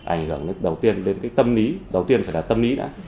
ảnh hưởng đến đầu tiên đến tâm lý đầu tiên phải là tâm lý đã